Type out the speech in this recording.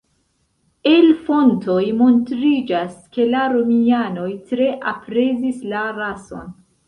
El fontoj montriĝas ke la Romianoj tre aprezis la rason.